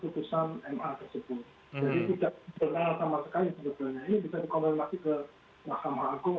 itu salah ma